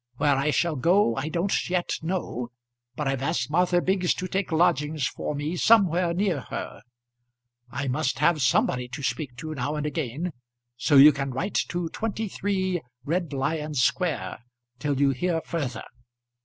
Where I shall go I don't yet know, but I've asked Martha Biggs to take lodgings for me somewhere near her. I must have somebody to speak to now and again, so you can write to 23 Red Lion Square till you hear further.